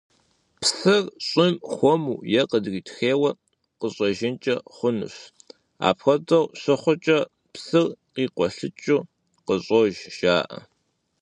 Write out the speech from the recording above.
Псыр щӀым хуэму е къыдриутхейуэ къыщӀэжынкӀэ хъунущ, апхуэдэу щыхъукӀэ «Псыр къикъуэлъыкӀыу къыщӀож» жаӀэ.